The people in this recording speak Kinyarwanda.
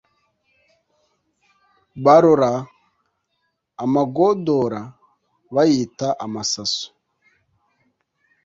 Barora amagodora bayita amasaso